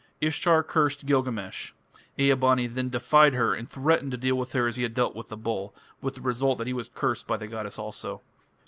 Ishtar cursed Gilgamesh. Ea bani then defied her and threatened to deal with her as he had dealt with the bull, with the result that he was cursed by the goddess also.